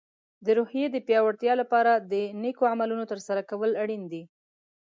د روحیې د پیاوړتیا لپاره د نیکو عملونو ترسره کول اړین دي.